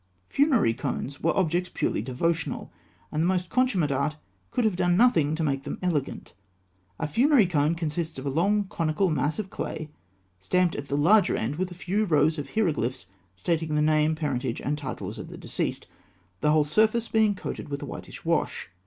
Funerary cones were objects purely devotional, and the most consummate art could have done nothing to make them elegant. A funerary cone consists of a long, conical mass of clay, stamped at the larger end with a few rows of hieroglyphs stating the name, parentage, and titles of the deceased, the whole surface being coated with a whitish wash.